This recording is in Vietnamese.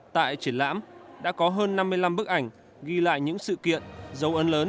tại triển lãm đã có hơn năm mươi năm bức ảnh ghi lại những sự kiện dấu ấn lớn